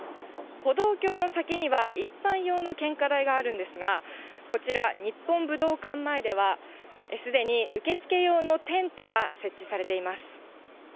歩道橋の先には、一般用の献花台があるんですが、こちら、日本武道館前では、すでに受け付け用のテントが設置されています。